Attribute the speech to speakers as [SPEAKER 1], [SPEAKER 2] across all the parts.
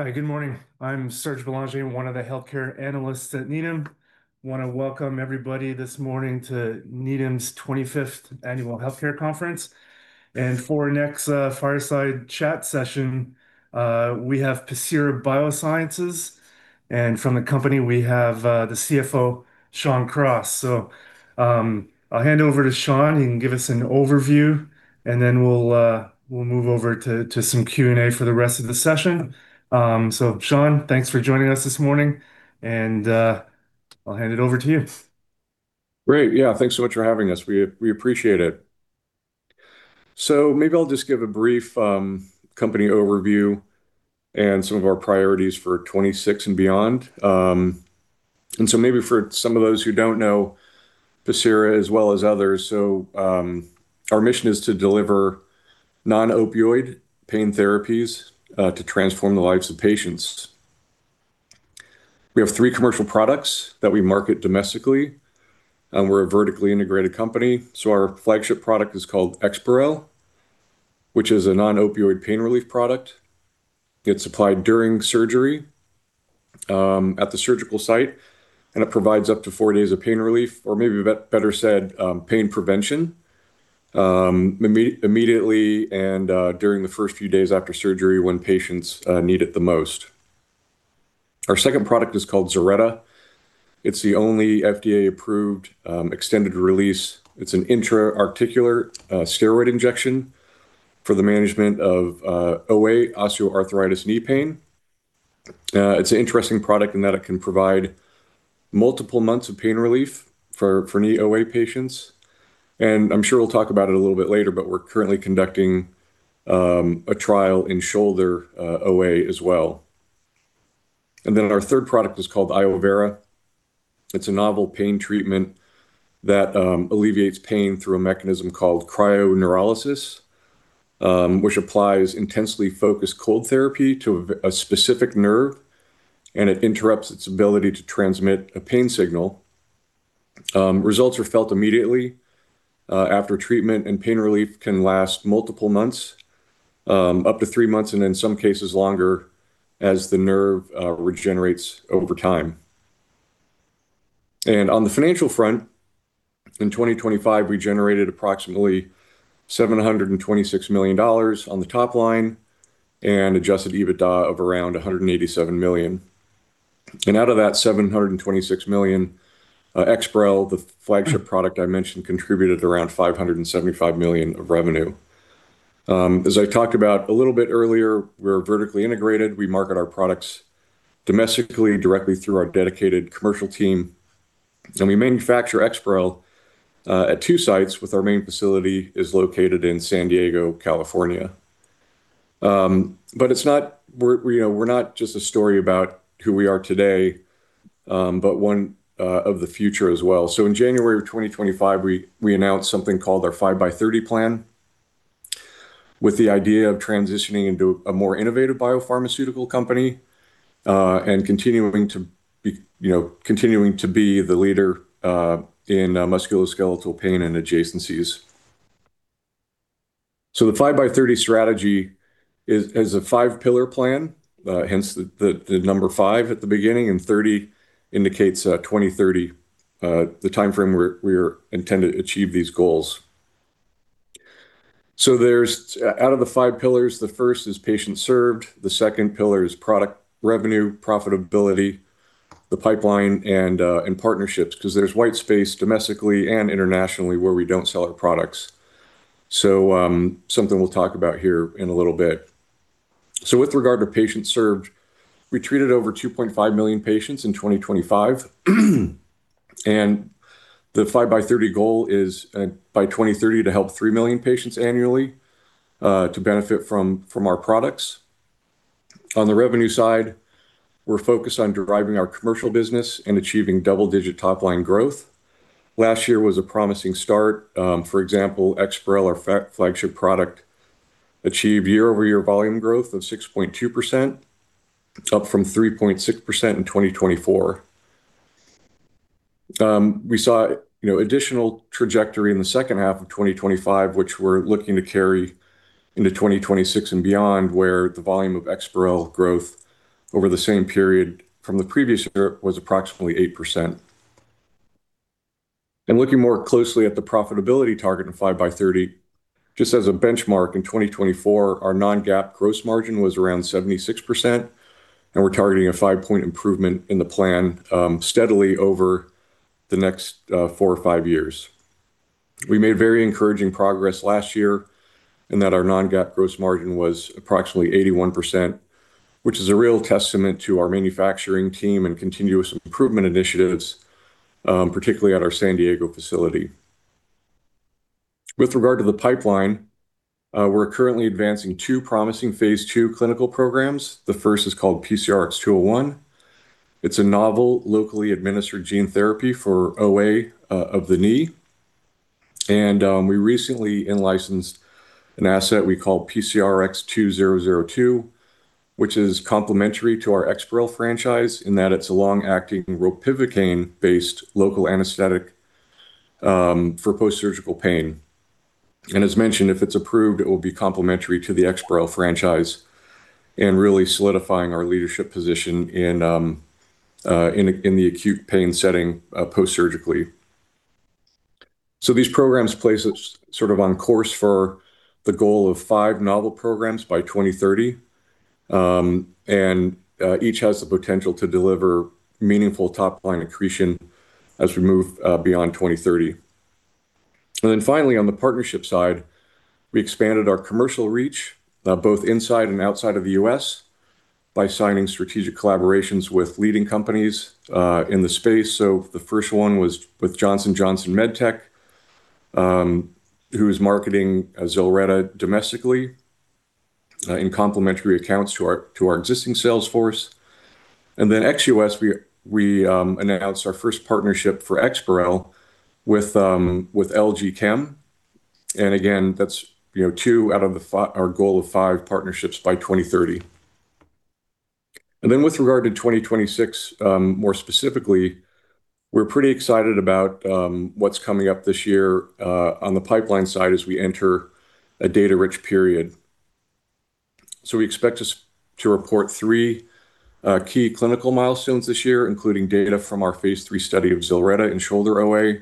[SPEAKER 1] Hi. Good morning. I'm Serge Belanger, one of the healthcare analysts at Needham. I want to welcome everybody this morning to Needham 25th Annual Healthcare Conference. For our next fireside chat session, we have Pacira BioSciences, and from the company, we have the CFO Shawn Cross. I'll hand over to Shawn. To give us an overview, and then we'll move over to some Q&A for the rest of the session. Shawn, thanks for joining us this morning, and I'll hand it over to you.
[SPEAKER 2] Great. Thanks so much for having us. We appreciate it. Maybe I'll just give a brief company overview and some of our priorities for 2026 and beyond. Maybe for some of those who don't know Pacira as well as others, so our mission is to deliver non-opioid pain therapies to transform the lives of patients. We have three commercial products that we market domestically, and we're a vertically integrated company. Our flagship product is called EXPAREL, which is a non-opioid pain relief product. It's applied during surgery at the surgical site, and it provides up to four days of pain relief, or maybe better said, pain prevention, immediately and during the first few days after surgery when patients need it the most. Our second product is called ZILRETTA. It's the only FDA-approved, extended-release. It's an intra-articular steroid injection for the management of OA, osteoarthritis knee pain. It's an interesting product in that it can provide multiple months of pain relief for knee OA patients. I'm sure we'll talk about it a little bit later, but we're currently conducting a trial in shoulder OA as well. Our third product is called iovera°. It's a novel pain treatment that alleviates pain through a mechanism called cryoneurolysis, which applies intensely focused cold therapy to a specific nerve, and it interrupts its ability to transmit a pain signal. Results are felt immediately after treatment, and pain relief can last multiple months, up to three months, and in some cases longer as the nerve regenerates over time. On the financial front, in 2025, we generated approximately $726 million on the top line and adjusted EBITDA of around $187 million. Out of that $726 million, EXPAREL, the flagship product contributed around $575 million of revenue. As I talked about a little bit earlier, we're vertically integrated. We market our products domestically, directly through our dedicated commercial team. We manufacture EXPAREL at two sites, with our main facility located in San Diego, California. We're not just a story about who we are today, but one of the future as well. In January of 2025, we announced something called our 5x30 plan, with the idea of transitioning into a more innovative biopharmaceutical company, and continuing to be the leader in musculoskeletal pain and adjacencies. The 5x30 strategy is a five-pillar plan, hence the number five at the beginning, and 30 indicates 2030, the timeframe we're intended to achieve these goals. Out of the 5 pillars, the first is patients served, the second pillar is product revenue, profitability, the pipeline, and partnerships because there's white space domestically and internationally where we don't sell our products. Something we'll talk about here in a little bit. With regard to patients served, we treated over 2.5 million patients in 2025. The 5x30 goal is by 2030 to help 3 million patients annually, to benefit from our products. On the revenue side, we're focused on driving our commercial business and achieving double-digit top-line growth. Last year was a promising start. For example, EXPAREL, our flagship product, achieved year-over-year volume growth of 6.2%, up from 3.6% in 2024. We saw additional trajectory in the second half of 2025, which we're looking to carry into 2026 and beyond, where the volume of EXPAREL growth over the same period from the previous year was approximately 8%. Looking more closely at the profitability target of 5x30, just as a benchmark, in 2024, our non-GAAP gross margin was around 76%, and we're targeting a five-point improvement in the plan steadily over the next four or five years. We made very encouraging progress last year in that our non-GAAP gross margin was approximately 81%, which is a real testament to our manufacturing team and continuous improvement initiatives, particularly at our San Diego facility. With regard to the pipeline, we're currently advancing two promising phase II clinical programs. The first is called PCRX-201. It's a novel, locally administered gene therapy for OA of the knee. And we recently in-licensed an asset we call PCRx-2002, which is complementary to our EXPAREL franchise in that it's a long-acting ropivacaine-based local anesthetic for post-surgical painAnd as mentioned, if it's approved, it will be complementary to the EXPAREL franchise and really solidifying our leadership position in the acute pain setting post-surgically. So these programs place us on course for the goal of five novel programs by 2030, and each has the potential to deliver meaningful top-line accretion as we move beyond 2030. And then finally, on the partnership side, we expanded our commercial reach both inside and outside of the US by signing strategic collaborations with leading companies in the space. So the first one was with Johnson & Johnson MedTech, who is marketing ZILRETTA domestically in complementary accounts to our existing sales force. And then ex-US, we announced our first partnership for EXPAREL with LG Chem. Again, that's two out of our goal of five partnerships by 2030. With regard to 2026, more specifically, we're pretty excited about what's coming up this year on the pipeline side as we enter a data-rich period. We expect to report three key clinical milestones this year, including data from our phase III study of ZILRETTA in shoulder OA,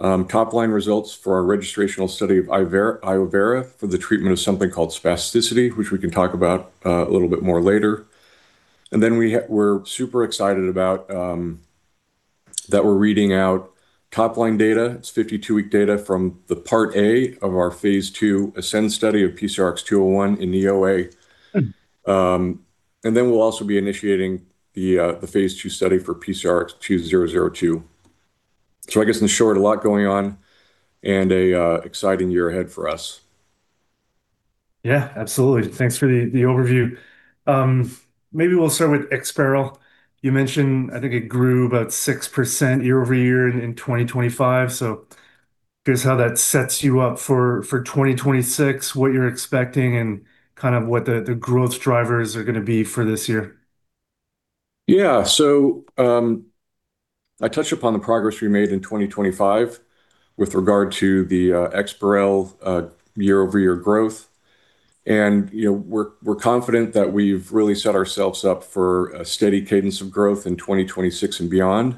[SPEAKER 2] top-line results for our registrational study of iovera for the treatment of something called spasticity, which we can talk about a little bit more later. We're super excited about that we're reading out top-line data. It's 52-week data from the Part A of our phase II ASCEND study of PCRX-201 in knee OA. We'll also be initiating the phase II study for PCRX-2002. I guess in short, a lot going on and an exciting year ahead for us.
[SPEAKER 1] Yeah, absolutely. Thanks for the overview. Maybe we'll start with EXPAREL. You mentioned, I think it grew about 6% year-over-year in 2025. Curious how that sets you up for 2026, what you're expecting and what the growth drivers are going to be for this year?
[SPEAKER 2] I touched upon the progress we made in 2025 with regard to the EXPAREL year-over-year growth. We're confident that we've really set ourselves up for a steady cadence of growth in 2026 and beyond.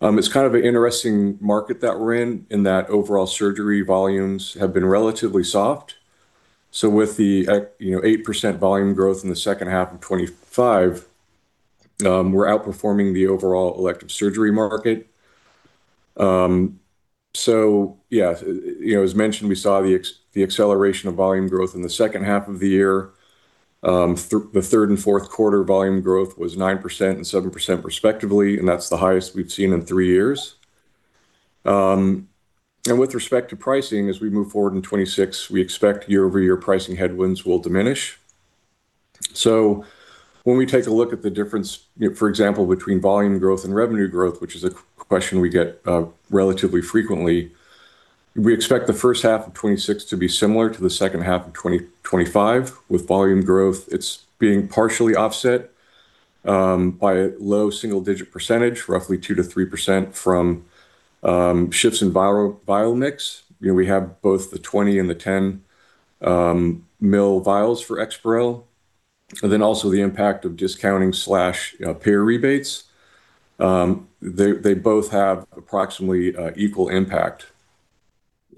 [SPEAKER 2] It's an interesting market that we're in that overall surgery volumes have been relatively soft. With the 8% volume growth in the second half of 2025, we're outperforming the overall elective surgery market. As mentioned, we saw the acceleration of volume growth in the second half of the year. The third and fourth quarter volume growth was 9% and 7% respectively, and that's the highest we've seen in three years. With respect to pricing, as we move forward in 2026, we expect year-over-year pricing headwinds will diminish. So when we take a look at the difference, for example, between volume growth and revenue growth, which is a question we get relatively frequently, we expect the first half of '26 to be similar to the second half of 2025. With volume growth, it's being partially offset by a low single-digit percentage, roughly 2% to 3% from shifts in vial mix. We have both the 20 and the 10 mil vials for EXPAREL. And then also the impact of discounting/payer rebates. They both have approximately equal impact.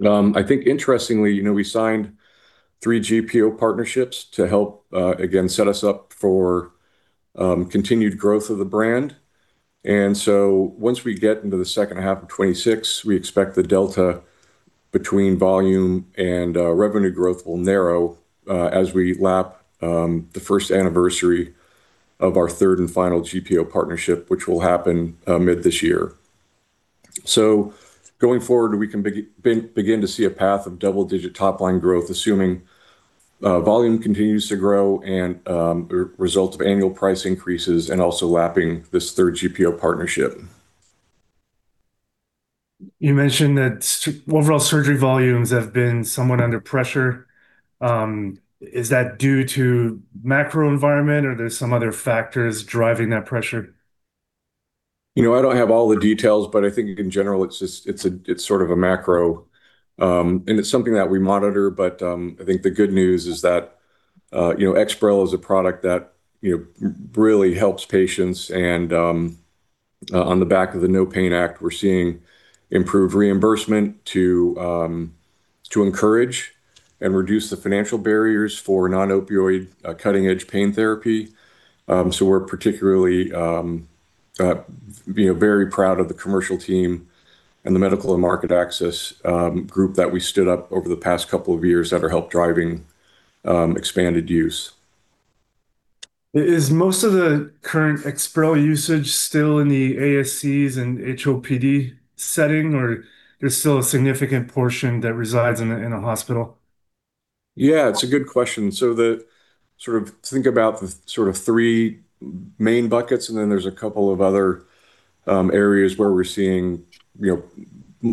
[SPEAKER 2] Interestingly, we signed three GPO partnerships to help again set us up for continued growth of the brand. And so once we get into the second half of '26, we expect the delta between volume and revenue growth will narrow as we lap the first anniversary of our third and final GPO partnership, which will happen mid this year. Going forward, we can begin to see a path of double-digit top-line growth, assuming volume continues to grow and results of annual price increases, and also lapping this third GPO partnership.
[SPEAKER 1] You mentioned that overall surgery volumes have been somewhat under pressure. Is that due to macro environment or there's some other factors driving that pressure?
[SPEAKER 2] I don't have all the details, but I think in general it's sort of a macro, and it's something that we monitor. I think the good news is that EXPAREL is a product that really helps patients. On the back of the NOPAIN Act, we're seeing improved reimbursement to encourage and reduce the financial barriers for non-opioid cutting-edge pain therapy. We're particularly very proud of the commercial team and the medical and market access group that we stood up over the past couple of years that are help driving expanded use.
[SPEAKER 1] Is most of the current EXPAREL usage still in the ASCs and HOPD setting, or there's still a significant portion that resides in a hospital?
[SPEAKER 2] Yeah, it's a good question. So think about the three main buckets, and then there's a couple of other areas where we're seeing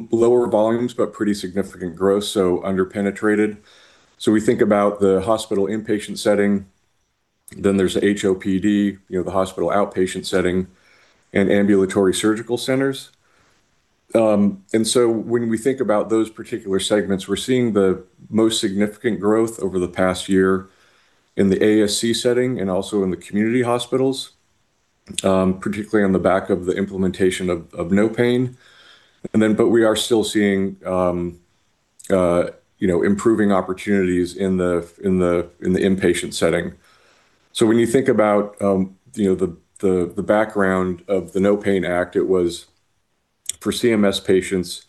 [SPEAKER 2] lower volumes, but pretty significant growth, so under-penetrated. So we think about the hospital inpatient settingThen there's HOPD, the hospital outpatient setting, and ambulatory surgical centers. And so when we think about those particular segments, we're seeing the most significant growth over the past year in the ASC setting and also in the community hospitals, particularly on the back of the implementation of NOPAIN Act. But we are still seeing improving opportunities in the inpatient setting. So when you think about the background of the NOPAIN Act, it was for CMS patients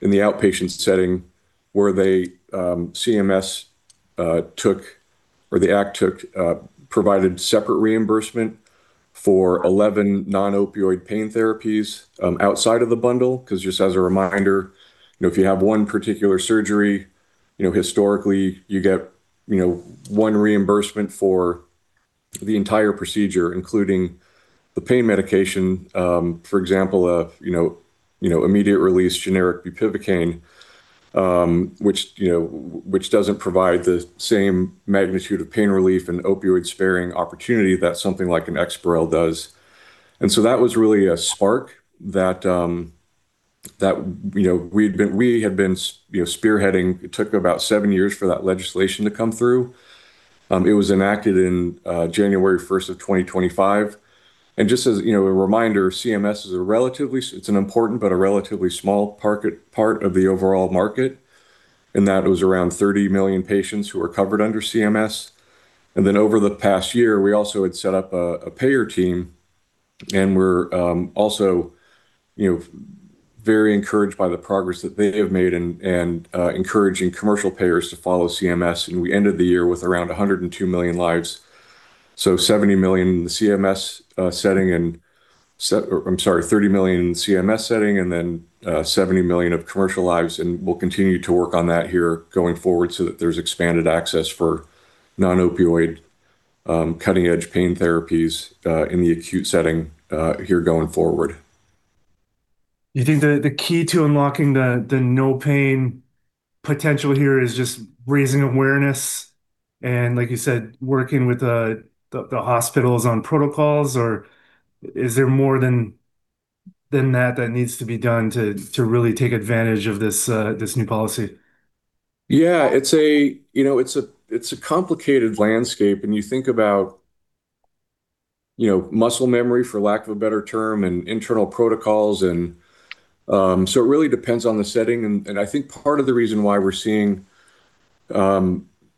[SPEAKER 2] in the outpatient setting where CMS took, or the act took, provided separate reimbursement for 11 non-opioid pain therapies outside of the bundle. Just as a reminder, if you have one particular surgery, historically you get one reimbursement for the entire procedure, including the pain medication. For example, immediate-release, generic bupivacaine, which doesn't provide the same magnitude of pain relief and opioid-sparing opportunity that something like an EXPAREL does. That was really a spark that we had been spearheading. It took about seven years for that legislation to come through. It was enacted in January 1st of 2025. Just as a reminder, CMS, it's an important but a relatively small part of the overall market, in that it was around 30 million patients who are covered under CMS. Over the past year, we also had set up a payer team, and we're also very encouraged by the progress that they have made and encouraging commercial payers to follow CMS. We ended the year with around 102 million lives, 30 million in the CMS setting, and then 70 million of commercial lives, and we'll continue to work on that here going forward so that there's expanded access for non-opioid, cutting-edge pain therapies, in the acute setting here going forward.
[SPEAKER 1] You think that the key to unlocking the NOPAIN potential here is just raising awareness and, like you said, working with the hospitals on protocols, or is there more than that that needs to be done to really take advantage of this new policy?
[SPEAKER 2] Yeah, it's a complicated landscape, and you think about muscle memory, for lack of a better term, and internal protocols, and so it really depends on the setting. I think part of the reason why we're seeing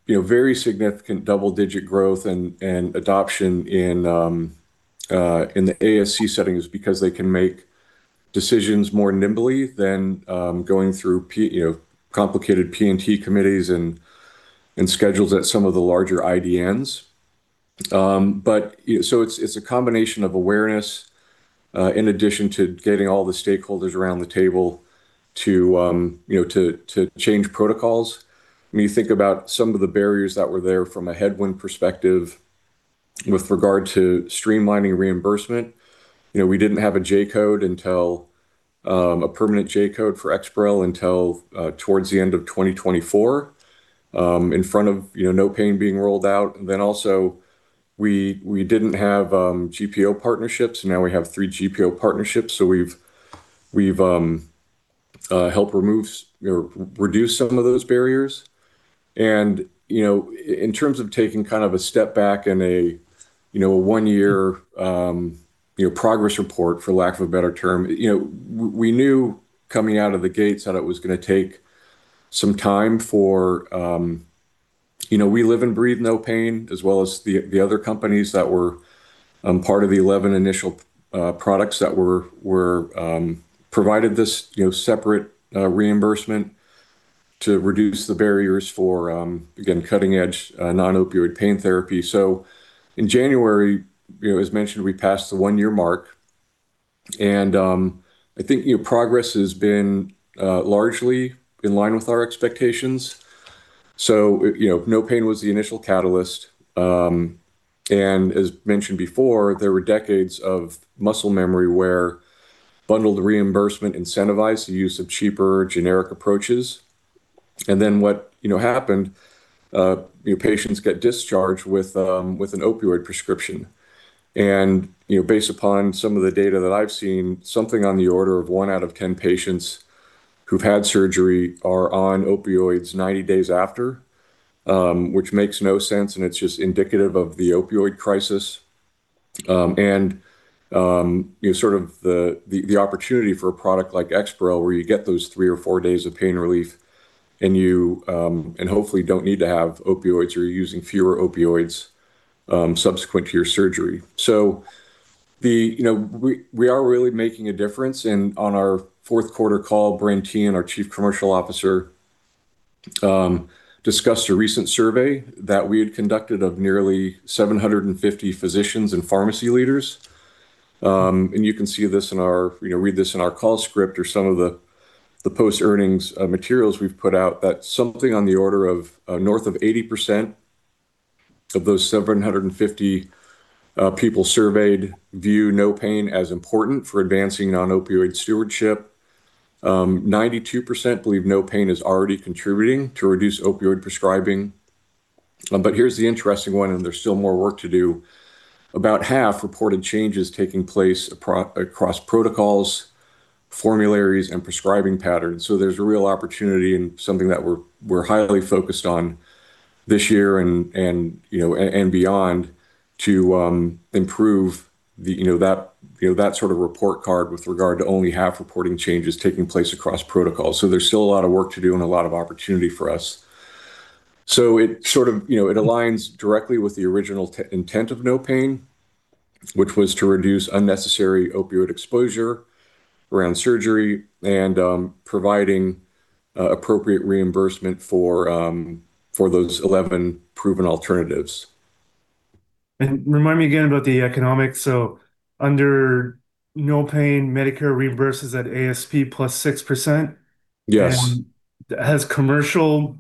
[SPEAKER 2] very significant double-digit growth and adoption in the ASC setting is because they can make decisions more nimbly than going through complicated P&T committees and schedules at some of the larger IDNs. It's a combination of awareness, in addition to getting all the stakeholders around the table to change protocols. When you think about some of the barriers that were there from a headwind perspective with regard to streamlining reimbursement, we didn't have a permanent J code for EXPAREL until towards the end of 2024, in front of NOPAIN being rolled out. Also we didn't have GPO partnerships. Now we have three GPO partnerships, so we've helped reduce some of those barriers. In terms of taking kind of a step back and a one-year progress report, for lack of a better term, we knew coming out of the gates that it was going to take some time. We live and breathe NOPAIN, as well as the other companies that were part of the 11 initial products that were provided this separate reimbursement to reduce the barriers for, again, cutting-edge non-opioid pain therapy. In January, as mentioned, we passed the one-year mark, and I think progress has been largely in line with our expectations. NOPAIN was the initial catalyst, and as mentioned before, there were decades of muscle memory where bundled reimbursement incentivized the use of cheaper generic approaches. What happened, patients get discharged with an opioid prescription. Based upon some of the data that I've seen, something on the order of one out of 10 patients who've had surgery are on opioids 90 days after, which makes no sense, and it's just indicative of the opioid crisis and sort of the opportunity for a product like EXPAREL, where you get those three or four days of pain relief, and hopefully don't need to have opioids or you're using fewer opioids subsequent to your surgery. We are really making a difference. On our fourth quarter call, Brendan Teehan, our Chief Commercial Officer, discussed a recent survey that we had conducted of nearly 750 physicians and pharmacy leaders. You can read this in our call script or some of the post-earnings materials we've put out, that something on the order of more than 80% of those 750 people surveyed view NOPAIN as important for advancing non-opioid stewardship. 92% believe NOPAIN is already contributing to reduce opioid prescribing. Here's the interesting one, and there's still more work to do. About half reported changes taking place across protocols, formularies, and prescribing patterns. There's a real opportunity and something that we're highly focused on this year and beyond to improve that sort of report card with regard to only half reporting changes taking place across protocols. There's still a lot of work to do and a lot of opportunity for us. It aligns directly with the original intent of NOPAIN, which was to reduce unnecessary opioid exposure around surgery and providing appropriate reimbursement for those 11 proven alternatives.
[SPEAKER 1] Remind me again about the economics. Under NOPAIN, Medicare reimburses at ASP plus 6%?
[SPEAKER 2] Yes.
[SPEAKER 1] Have commercial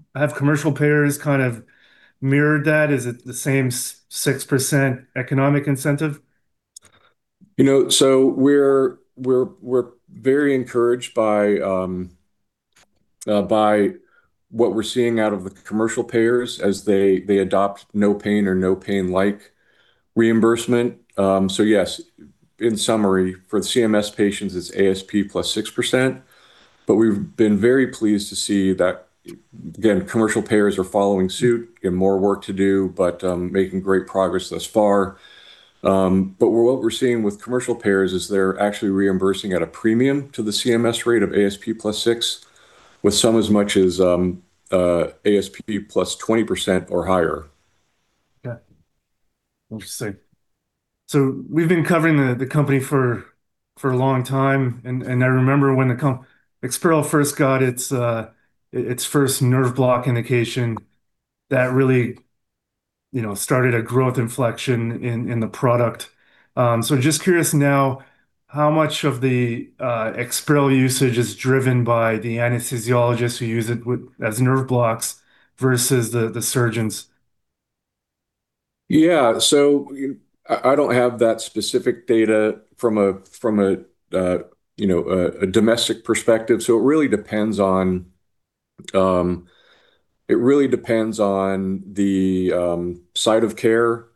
[SPEAKER 1] payers kind of mirrored that? Is it the same 6% economic incentive?
[SPEAKER 2] So we're very encouraged by what we're seeing out of the commercial payers as they adopt No Pain or No Pain-like reimbursement. So yes, in summary, for the CMS patients, it's ASP plus 6%, but we've been very pleased to see that, again, commercial payers are following suit, got more work to do, but making great progress thus far. But what we're seeing with commercial payers is they're actually reimbursing at a premium to the CMS rate of ASP plus six, with some as much as ASP plus 20% or higher.
[SPEAKER 1] Got it. Interesting. We've been covering the company for a long time, and I remember when EXPAREL first got its first nerve block indication that really started a growth inflection in the product. Just curious now, how much of the EXPAREL usage is driven by the anesthesiologists who use it as nerve blocks versus the surgeons?
[SPEAKER 2] Yeah, I don't have that specific data from a domestic perspective. It really depends on the site of care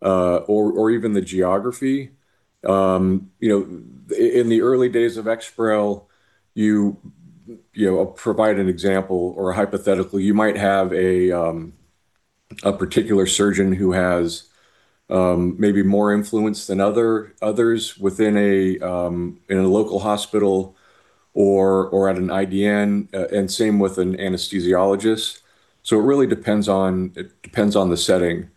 [SPEAKER 2] or even the geography. In the early days of EXPAREL, I'll provide an example or a hypothetical. You might have a particular surgeon who has maybe more influence than others within a local hospital or at an IDN, and same with an anesthesiologist. It really depends on the setting.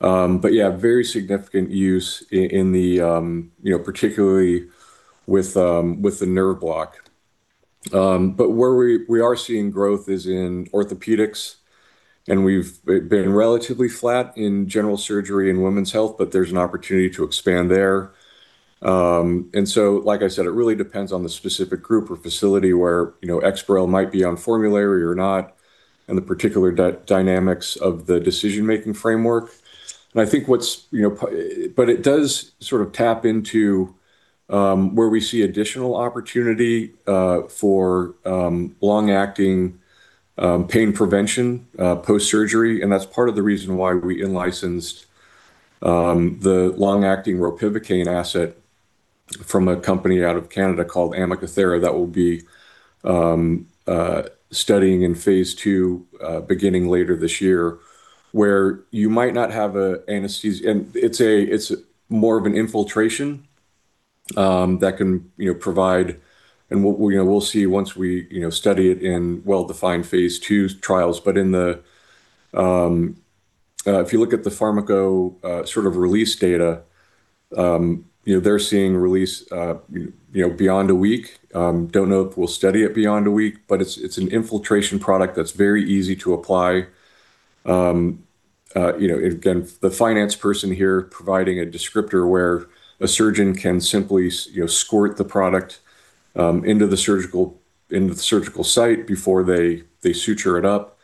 [SPEAKER 2] Yeah, very significant use, particularly with the nerve block. Where we are seeing growth is in orthopedics, and we've been relatively flat in general surgery and women's health, but there's an opportunity to expand there. Like I said, it really depends on the specific group or facility where EXPAREL might be on formulary or not, and the particular dynamics of the decision-making framework. It does sort of tap into where we see additional opportunity for long-acting pain prevention post-surgery, and that's part of the reason why we in-licensed the long-acting ropivacaine asset from a company out of Canada called Amicathera that we'll be studying in phase II beginning later this year. It's more of an infiltration that can provide, and we'll see once we study it in well-defined phase II trials. If you look at the pharmaco sort of release data, they're seeing release beyond a week. I don't know if we'll study it beyond a week, but it's an infiltration product that's very easy to apply. Again, the finance person here providing a descriptor where a surgeon can simply squirt the product into the surgical site before they suture it up,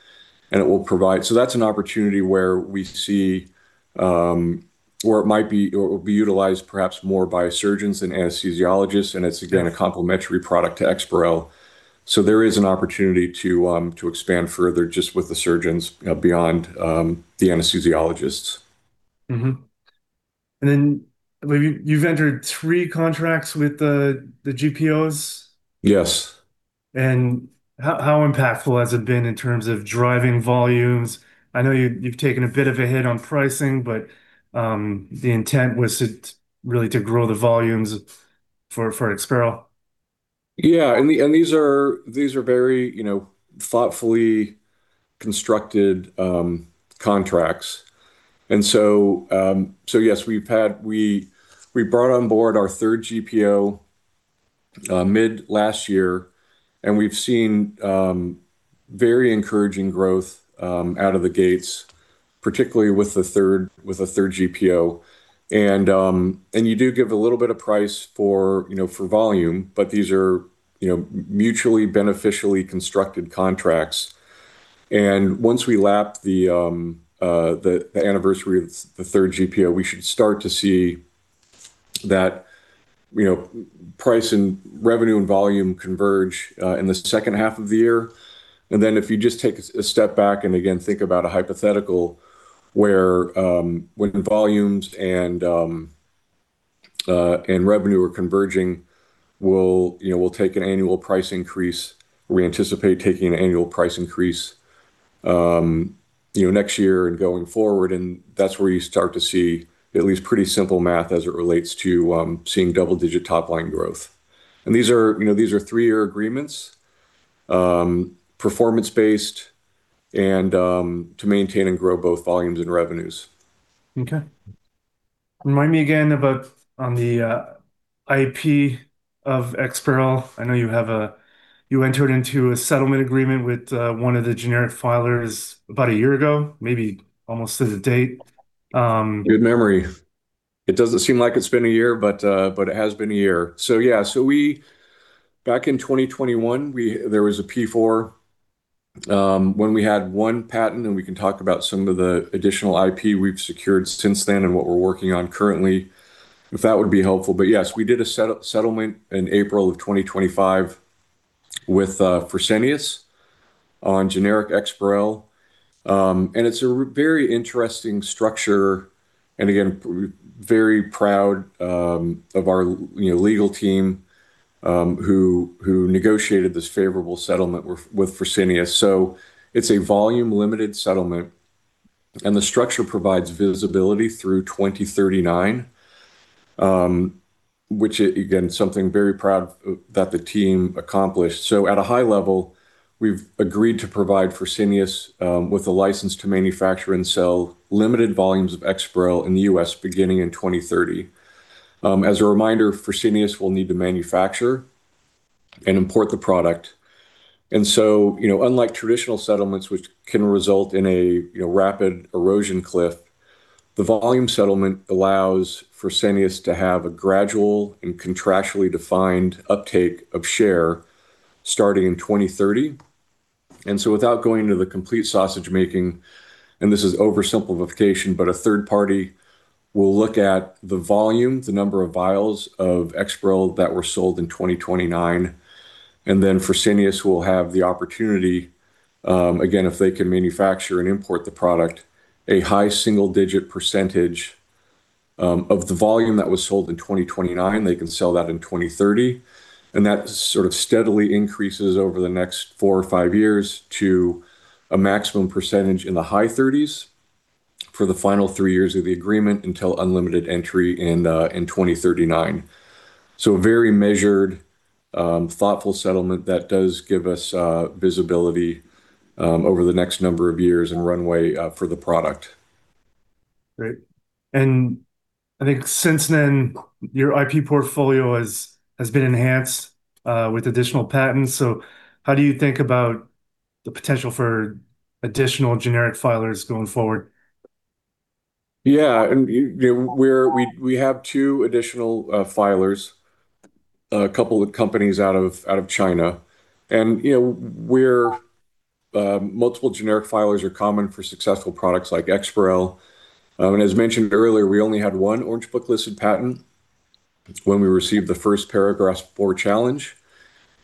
[SPEAKER 2] and it will provide. That's an opportunity where we see where it will be utilized perhaps more by surgeons than anesthesiologists, and it's again, a complementary product to EXPAREL. There is an opportunity to expand further just with the surgeons beyond the anesthesiologists.
[SPEAKER 1] Mm-hmm. You've entered three contracts with the GPOs?
[SPEAKER 2] Yes.
[SPEAKER 1] How impactful has it been in terms of driving volumes? I know you've taken a bit of a hit on pricing, but the intent was really to grow the volumes for EXPAREL.
[SPEAKER 2] These are very thoughtfully constructed contracts. Yes, we brought on board our third GPO mid last year, and we've seen very encouraging growth out of the gates, particularly with the third GPO. You do give a little bit of price for volume, but these are mutually beneficially constructed contracts. Once we lap the anniversary of the third GPO, we should start to see that price and revenue and volume converge in the second half of the year. If you just take a step back and again, think about a hypothetical where when volumes and revenue are converging, we'll take an annual price increase. We anticipate taking an annual price increase next year and going forward, and that's where you start to see at least pretty simple math as it relates to seeing double-digit top-line growth. These are three-year agreements, performance-based and to maintain and grow both volumes and revenues.
[SPEAKER 1] Okay. Remind me again on the IP of EXPAREL. I know you entered into a settlement agreement with one of the generic filers about a year ago, maybe almost to the date.
[SPEAKER 2] Good memory. It doesn't seem like it's been a year, but it has been a year. Yes. Back in 2021, there was a P4, when we had one patent, and we can talk about some of the additional IP we've secured since then and what we're working on currently, if that would be helpful. Yes, we did a settlement in April of 2025 with Fresenius on generic EXPAREL, and it's a very interesting structure. Again, very proud of our legal team who negotiated this favorable settlement with Fresenius. It's a volume-limited settlement, and the structure provides visibility through 2039, which again, something very proud that the team accomplished. At a high level, we've agreed to provide Fresenius with a license to manufacture and sell limited volumes of EXPAREL in the U.S. beginning in 2030. As a reminder, Fresenius will need to manufacture and import the product. Unlike traditional settlements, which can result in a rapid erosion cliff, the volume settlement allows Fresenius to have a gradual and contractually defined uptake of share starting in 2030. Without going into the complete sausage-making, and this is oversimplification, but a third party will look at the volume, the number of vials of EXPAREL that were sold in 2029. Fresenius will have the opportunity, again, if they can manufacture and import the product, a high single-digit % of the volume that was sold in 2029, they can sell that in 2030. That sort of steadily increases over the next four or five years to a maximum % in the high 30s for the final three years of the agreement until unlimited entry in 2039. A very measured, thoughtful settlement that does give us visibility over the next number of years and runway for the product.
[SPEAKER 1] Great. I think since then, your IP portfolio has been enhanced with additional patents. How do you think about the potential for additional generic filers going forward?
[SPEAKER 2] Yes. We have 2 additional filers, a couple of companies out of China. Multiple generic filers are common for successful products like EXPAREL. As mentioned earlier, we only had 1 Orange Book-listed patent when we received the first Paragraph IV challenge,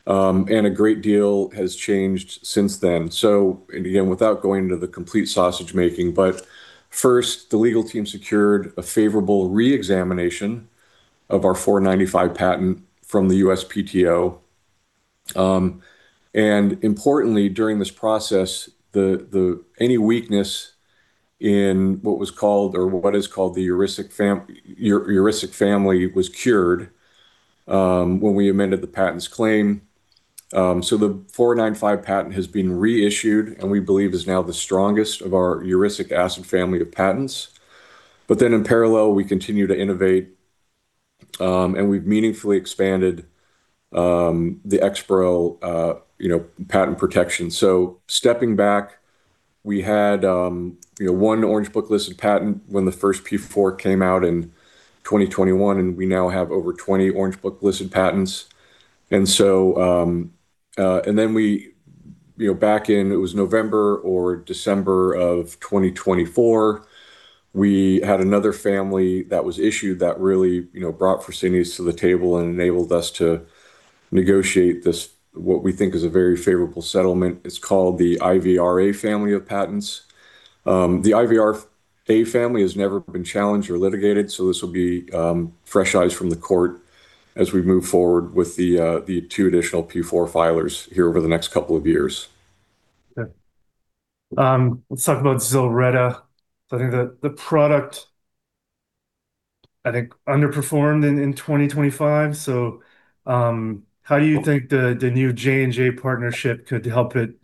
[SPEAKER 2] and a great deal has changed since then. Again, without going into the complete sausage-making, but first, the legal team secured a favorable re-examination of our 495 patent from the USPTO. Importantly, during this process, any weakness in what was called or what is called the Urisic family was cured when we amended the patent's claim. The 495 patent has been reissued and we believe is now the strongest of our Urisic acid family of patents. In parallel, we continue to innovate, and we've meaningfully expanded the EXPAREL patent protection. Stepping back, we had one Orange Book-listed patent when the first P4 came out in 2021, and we now have over 20 Orange Book-listed patents. Back in, it was November or December of 2024, we had another family that was issued that really brought Fresenius to the table and enabled us to negotiate this, what we think is a very favorable settlement. It's called the IVRA family of patents. The IVRA family has never been challenged or litigated, so this will be fresh eyes from the court as we move forward with the two additional P4 filers here over the next couple of years.
[SPEAKER 1] Okay. Let's talk about ZILRETTA. I think that the product I think underperformed in 2025, so how do you think the new J&J partnership could help it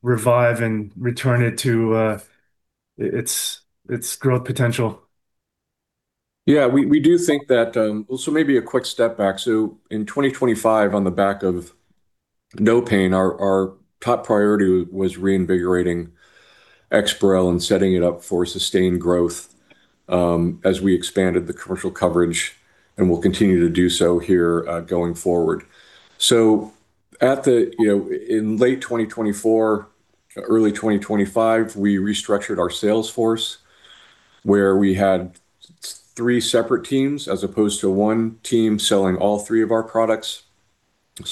[SPEAKER 1] revive and return it to its growth potential?
[SPEAKER 2] Yes. Maybe a quick step back. In 2025, on the back of NOPAIN, our top priority was reinvigorating EXPAREL and setting it up for sustained growth as we expanded the commercial coverage, and we'll continue to do so here going forward. In late 2024, early 2025, we restructured our sales force, where we had three separate teams as opposed to one team selling all three of our products.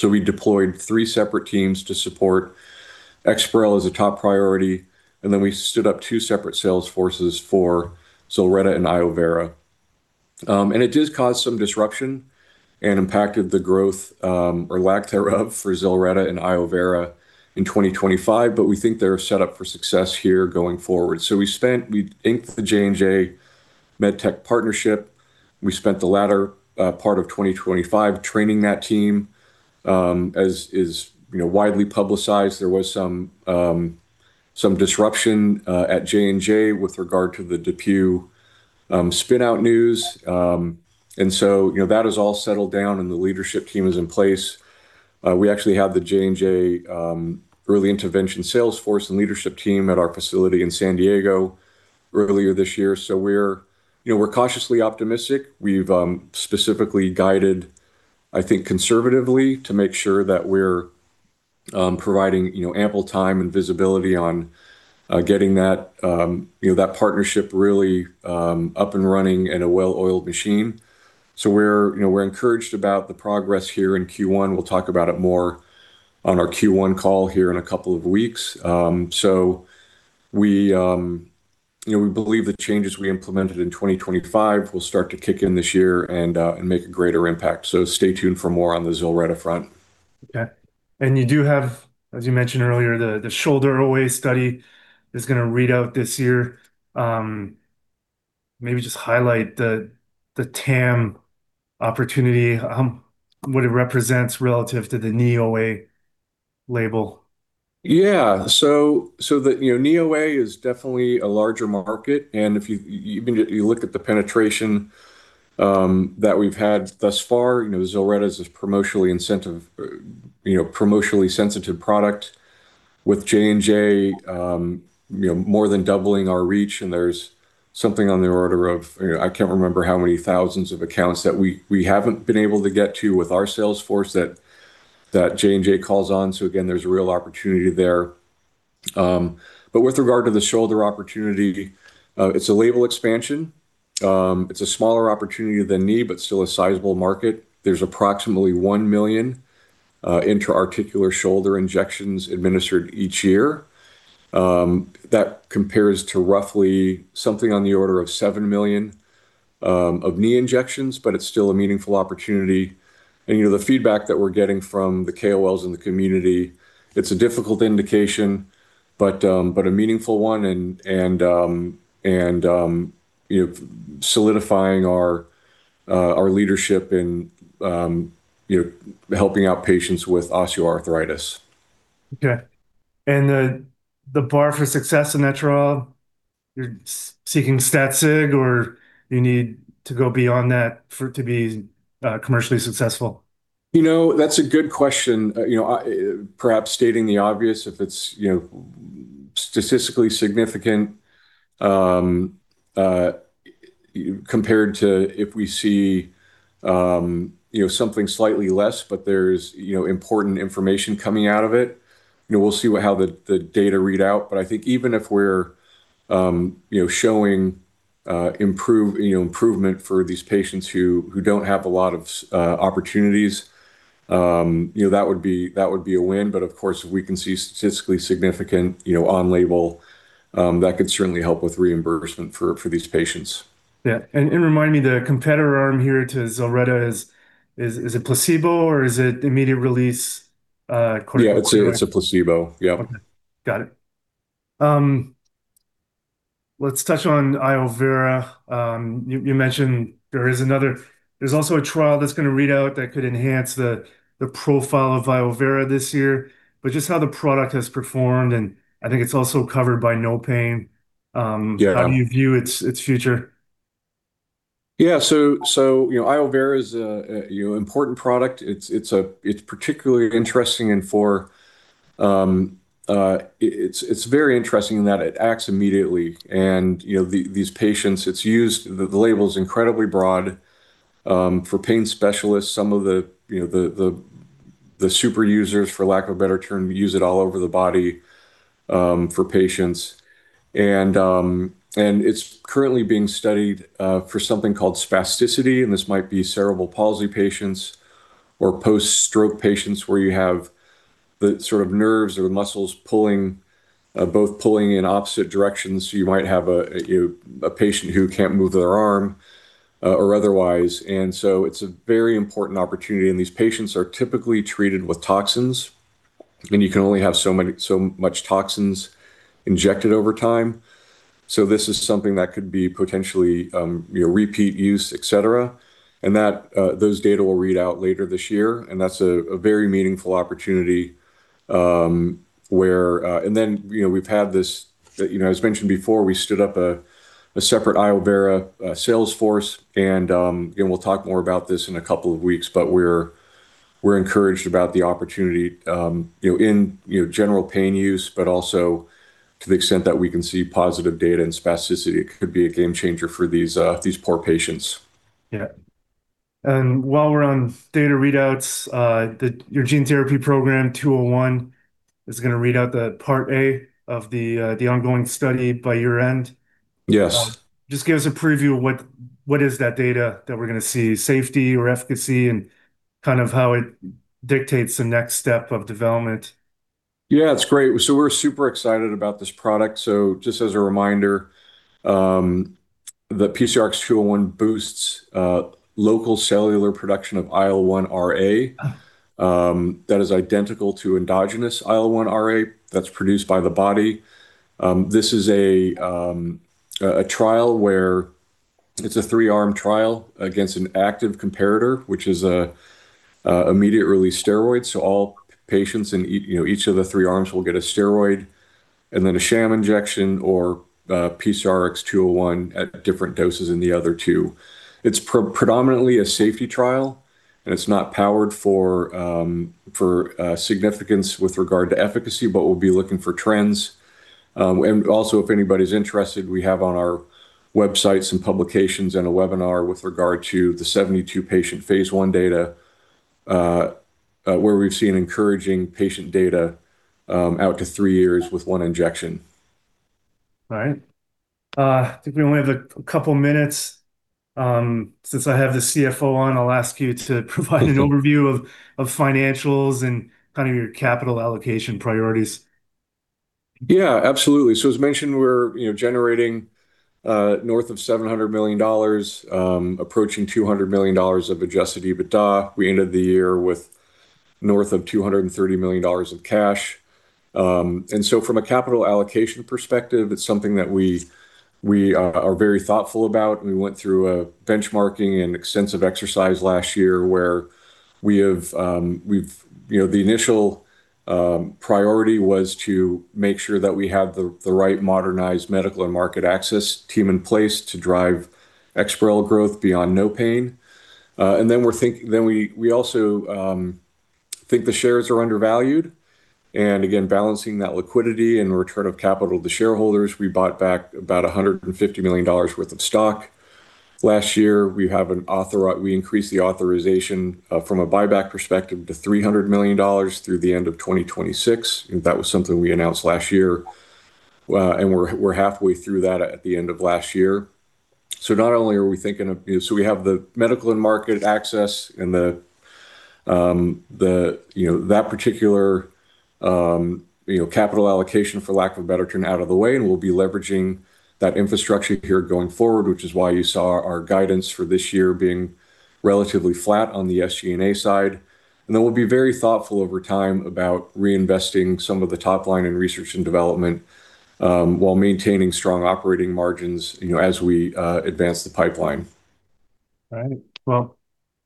[SPEAKER 2] We deployed three separate teams to support EXPAREL as a top priority, and then we stood up two separate sales forces for ZILRETTA and iovera°. It does cause some disruption and impacted the growth, or lack thereof, for ZILRETTA and iovera° in 2025. We think they're set up for success here going forward. We inked the J&J MedTech partnership. We spent the latter part of 2025 training that team. As is widely publicized, there was some disruption at J&J with regard to the DePuy spin-out news. That is all settled down and the leadership team is in place. We actually have the J&J early intervention sales force and leadership team at our facility in San Diego earlier this year. We're cautiously optimistic. We've specifically guided, I think, conservatively to make sure that we're providing ample time and visibility on getting that partnership really up and running and a well-oiled machine. We're encouraged about the progress here in Q1. We'll talk about it more on our Q1 call here in a couple of weeks. We believe the changes we implemented in 2025 will start to kick in this year and make a greater impact. Stay tuned for more on the ZILRETTA front.
[SPEAKER 1] Okay. You do have, as you mentioned earlier, the shoulder OA study is going to read out this year. Maybe just highlight the TAM opportunity, what it represents relative to the knee OA label.
[SPEAKER 2] Knee OA is definitely a larger market, and if you look at the penetration that we've had thus far, ZILRETTA is a promotionally sensitive product with J&J more than doubling our reach, and there's something on the order of, I can't remember how many thousands of accounts that we haven't been able to get to with our sales force that J&J calls on. Again, there's a real opportunity there. With regard to the shoulder opportunity, it's a label expansion. It's a smaller opportunity than knee, but still a sizable market. There's approximately 1 million intra-articular shoulder injections administered each year. That compares to roughly something on the order of 7 million of knee injections, but it's still a meaningful opportunity. And the feedback that we're getting from the KOLs in the community, it's a difficult indication, but a meaningful one, and solidifying our leadership in helping out patients with osteoarthritis.
[SPEAKER 1] Okay. The bar for success in that trial, you're seeking stat sig or you need to go beyond that for it to be commercially successful?
[SPEAKER 2] That's a good question. Perhaps stating the obvious, if it's statistically significant compared to if we see something slightly less, but there's important information coming out of it. We'll see how the data read out. I think even if we're showing improvement for these patients who don't have a lot of opportunities, that would be a win. Of course, if we can see statistically significant on-label, that could certainly help with reimbursement for these patients.
[SPEAKER 1] Remind me, the competitor arm here to ZILRETTA, is a placebo or is it immediate release?
[SPEAKER 2] Yeah, it's a placebo. Yep.
[SPEAKER 1] Okay. Got it. Let's touch on iovera°. You mentioned there's also a trial that's going to read out that could enhance the profile of iovera° this year. Just how the product has performed, and I think it's also covered by NOPAIN.
[SPEAKER 2] Yeah.
[SPEAKER 1] How do you view its future?
[SPEAKER 2] iovera° is an important product. It's very interesting that it acts immediately, and these patients, the label's incredibly broad. For pain specialists, some of the super users, for lack of a better term, use it all over the body for patients. It's currently being studied for something called spasticity, and this might be cerebral palsy patients or post-stroke patients where you have the sort of nerves or muscles both pulling in opposite directions. You might have a patient who can't move their arm or otherwise. It's a very important opportunity, and these patients are typically treated with toxins, and you can only have so much toxins injected over time. This is something that could be potentially repeat use, et cetera. Those data will read out later this year, and that's a very meaningful opportunity. As mentioned before, we stood up a separate iovera° sales force and we'll talk more about this in a couple of weeks, but we're encouraged about the opportunity in general pain use, but also to the extent that we can see positive data in spasticity. It could be a game changer for these poor patients.
[SPEAKER 1] While we're on data readouts, your gene therapy program, 201, is going to read out the Part A of the ongoing study by year-end.
[SPEAKER 2] Yes.
[SPEAKER 1] Just give us a preview of what is that data that we're going to see, safety or efficacy, and kind of how it dictates the next step of development.
[SPEAKER 2] Yeah, it's great. We're super excited about this product. Just as a reminder, the PCRX-201 boosts local cellular production of IL-1RA that is identical to endogenous IL-1RA that's produced by the body. This is a trial where it's a three-arm trial against an active comparator, which is an immediate-release steroid, so all patients in each of the three arms will get a steroid and then a sham injection or PCRX-201 at different doses in the other two. It's predominantly a safety trial, and it's not powered for significance with regard to efficacy, but we'll be looking for trends. If anybody's interested, we have on our website some publications and a webinar with regard to the 72-patient phase I data, where we've seen encouraging patient data out to three years with one injection.
[SPEAKER 1] All right. I think we only have a couple minutes. Since I have the CFO on, I'll ask you to provide an overview of financials and kind of your capital allocation priorities.
[SPEAKER 2] Yeah, absolutely. As mentioned, we're generating north of $700 million, approaching $200 million of adjusted EBITDA. We ended the year with north of $230 million of cash. From a capital allocation perspective, it's something that we are very thoughtful about. We went through a benchmarking and extensive exercise last year. The initial priority was to make sure that we had the right modernized medical and market access team in place to drive EXPAREL growth beyond NOPAIN. We also think the shares are undervalued, and again, balancing that liquidity and return of capital to shareholders, we bought back about $150 million worth of stock last year. We increased the authorization from a buyback perspective to $300 million through the end of 2026, and that was something we announced last year. We're halfway through that at the end of last year. We have the medical and market access and that particular capital allocation, for lack of a better term, out of the way, and we'll be leveraging that infrastructure here going forward, which is why you saw our guidance for this year being relatively flat on the SG&A side. We'll be very thoughtful over time about reinvesting some of the top line in research and development, while maintaining strong operating margins as we advance the pipeline.
[SPEAKER 1] All right. Well,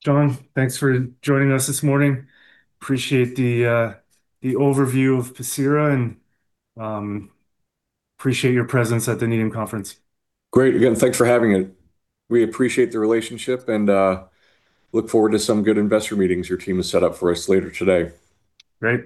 [SPEAKER 1] John, thanks for joining us this morning. I appreciate the overview of Pacira and appreciate your presence at the Needham Conference.
[SPEAKER 2] Great. Again, thanks for having us. We appreciate the relationship and look forward to some good investor meetings your team has set up for us later today.
[SPEAKER 1] Great